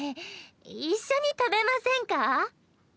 一緒に食べませんか？